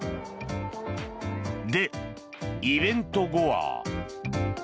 で、イベント後は。